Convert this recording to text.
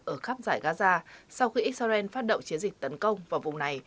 ở khắp giải gaza sau khi israel phát động chiến dịch tấn công vào vùng này